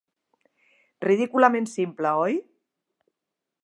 Ridículament simple, oi?